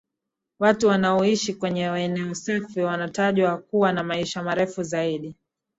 Watu wanaoishi kwenye eneo safi wanatajwa kuwa na maisha marefu zaidi